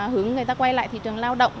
hướng người ta quay lại thị trường lao động